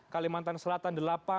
kalimantan selatan delapan